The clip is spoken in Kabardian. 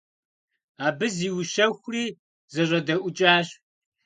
Абы зиущэхури зэщӀэдэӀукӀащ.